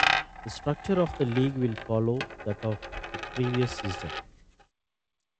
The structure of the league will follow that of the previous season.